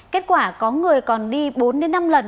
kết quả có người còn đi bốn năm lần